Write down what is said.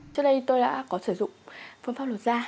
trước đây tôi đã có sử dụng phương pháp luật ra